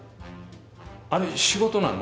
あれ仕事なの？